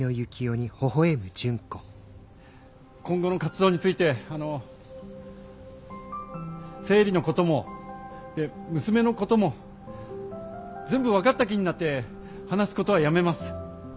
今後の活動についてあの生理のことも娘のことも全部分かった気になって話すことはやめます。